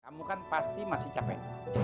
kamu kan pasti masih capek